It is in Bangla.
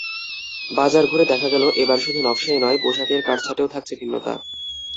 বাজার ঘুরে দেখা গেল, এবার শুধু নকশাই নয়, পোশাকের কাটছাঁটেও থাকছে ভিন্নতা।